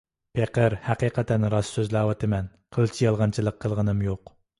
پېقىر ھەقىقەتەن راست سۆزلەۋاتىمەن، قىلچە يالغانچىلىق قىلغىنىم يوق.